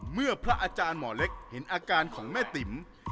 เมื่อพระอาจารย์หมอเล็กเห็นอาการของแม่ติ๋ม